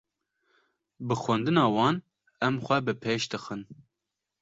Bi xwendina wan em xwe bi pêş dixin.